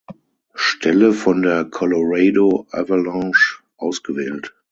Stelle von der Colorado Avalanche ausgewählt.